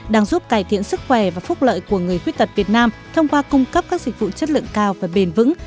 đang giúp cải thiện sức khỏe và phúc lợi của người khuyết tật việt nam thông qua cung cấp các dịch vụ chất lượng cao và bền vững